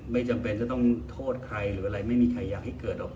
ไม่จำเป็นจะต้องโทษใครหรืออะไรไม่มีใครอยากให้เกิดหรอก